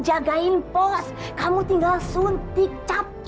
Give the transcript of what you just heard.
jadi ini otak otak aku sekarang